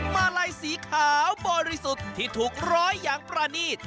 มาลัยสีขาวบริสุทธิ์ที่ถูกร้อยอย่างประนีต